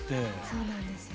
そうなんですよ。